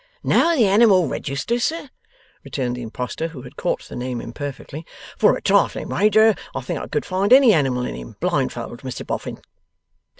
'Know the Animal Register, sir?' returned the Impostor, who had caught the name imperfectly. 'For a trifling wager, I think I could find any Animal in him, blindfold, Mr Boffin.